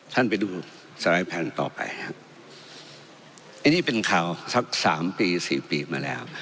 ท่านไปดูสไลด์แผ่นต่อไปฮะอันนี้เป็นข่าวสักสามปีสี่ปีมาแล้ว